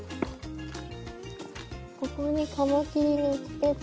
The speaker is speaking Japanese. ここにカマキリ見つけた。